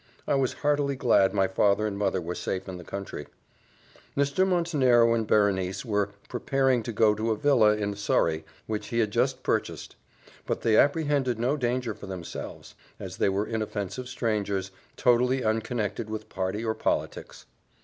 I was heartily glad my father and mother were safe in the country. Mr. Montenero and Berenice were preparing to go to a villa in Surrey, which he had just purchased; but they apprehended no danger for themselves, as they were inoffensive strangers, totally unconnected with party or politics.